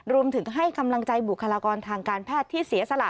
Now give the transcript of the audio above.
ให้กำลังใจบุคลากรทางการแพทย์ที่เสียสละ